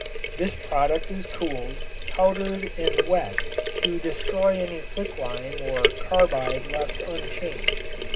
This product is cooled, powdered and wet to destroy any quicklime or carbide left unchanged.